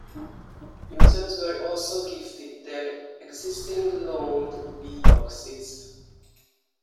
Users were also gifted their existing loaned Be-Boxes.